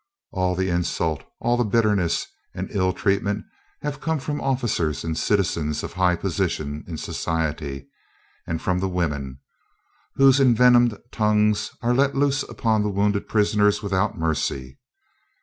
All the insult, all the bitterness and ill treatment, have come from officers and citizens of high position in society, and from the women, whose envenomed tongues are let loose upon the wounded prisoner without mercy.